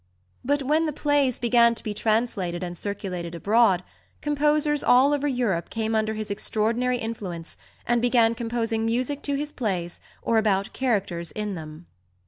But when the plays began to be translated and circulated abroad, composers all over Europe came under his extraordinary influence, and began composing music to his plays or about characters in them.